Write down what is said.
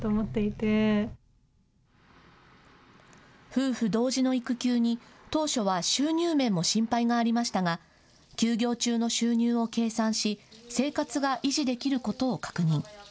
夫婦同時の育休に当初は収入面も心配がありましたが休業中の収入を計算し生活が維持できることを確認。